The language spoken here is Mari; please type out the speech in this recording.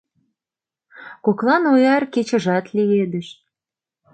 Коклан ояр кечыжат лиедыш.